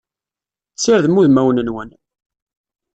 Sirdem udmawen-nwen!